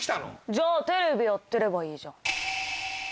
じゃあテレビやってればいいじゃん？